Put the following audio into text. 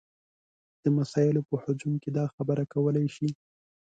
د مسایلو په هجوم کې دا خبره کولی شي.